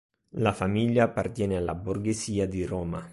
La famiglia appartiene alla borghesia di Roma.